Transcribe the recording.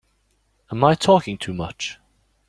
Am I talking too much?